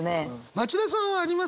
町田さんはあります？